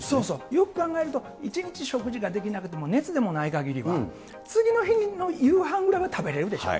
よく考えると１日食事ができないと熱でもないかぎりは、次の日の夕飯ぐらいは食べれるでしょ。